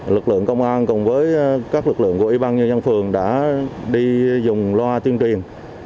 lực lượng công an cùng với các lực lượng của ủy ban nhân dân phường đã đi dùng loa tuyên truyền